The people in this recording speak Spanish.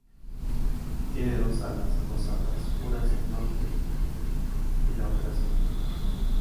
Tiene dos alas adosadas, una hacia el norte y la otra hacia el este.